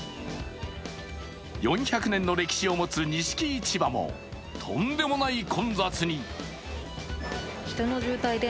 ４００年の歴史を持つ錦市場もとんでもない混雑に。